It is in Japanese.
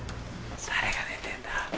誰が寝てんだ？